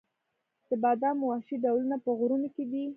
د بادامو وحشي ډولونه په غرونو کې دي؟